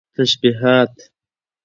تشبيهات